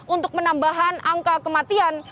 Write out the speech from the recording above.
untuk menambahan angka kematian